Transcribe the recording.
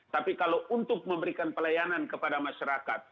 tapi kalau untuk memberikan pelayanan kepada masyarakat